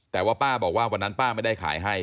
แต่ว่าป้าบอกว่าวันนั้นป้าไม่ได้ขายให้